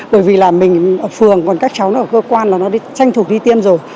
bởi vì là mình ở phường còn các cháu ở cơ quan là nó tranh thục đi tiêm rồi